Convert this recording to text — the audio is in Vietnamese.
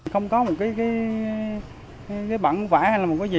không có một cái bản vải hay là một cái gì